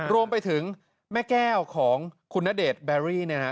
รวมไปถึงแม่แก้วของคุณณเดชน์เบอร์รี่นะครับ